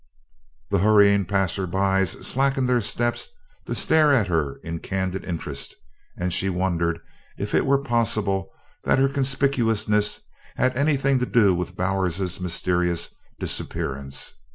The hurrying passersby slackened their steps to stare at her in candid interest, and she wondered if it were possible that her conspicuousness had anything to do with Bowers's mysterious disappearance.